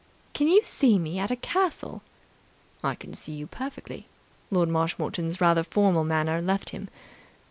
"Can you see me at a castle?" "I can see you perfectly." Lord Marshmoreton's rather formal manner left him.